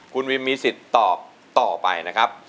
คุณวิมมีสิทธิ์ตอบต่อไปนะครับ